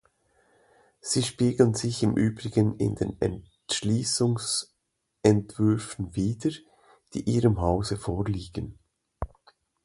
Sie spiegeln sich im Übrigen in den Entschließungsentwürfen wider, die Ihrem Hause vorliegen.